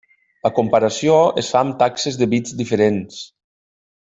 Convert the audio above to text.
La comparació es fa amb taxes de bits diferents.